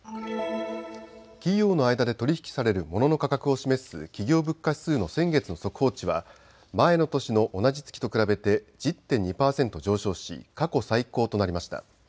企業の間で取り引きされるモノの価格を示す企業物価指数の先月の速報値は前の年の同じ月と比べて１０．２％上昇し過去最高となりました。